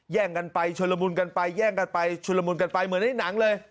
แย่งกันไปชนละมุนกันไปแย่งกันไปชุลมุนกันไปเหมือนในหนังเลย